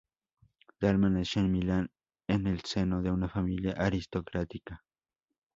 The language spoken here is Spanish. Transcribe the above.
Dalma nació en Milán, en el seno de una familia aristocrática.